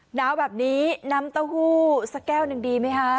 หนาวแบบนี้น้ำเต้าหู้สักแก้วหนึ่งดีไหมคะ